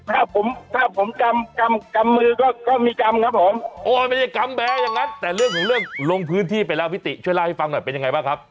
ถ้าผมถ้าผมจำกำกำมือก็มีกรรมครับผมโอ้ยไม่ใช่กรรมแพ้อย่างนั้นแต่เรื่องของเรื่องลงพื้นที่ไปแล้วพี่ติช่วยเล่าให้ฟังหน่อยเป็นยังไงบ้างครับ